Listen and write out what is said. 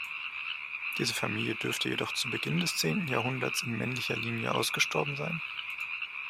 Diese Familie dürfte jedoch zu Beginn des zehnten Jahrhunderts in männlicher Linie ausgestorben sein.